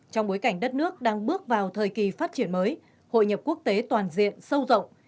trong bối cảnh đất nước đang bước vào thời kỳ phát triển mới hội nhập quốc tế toàn diện sâu rộng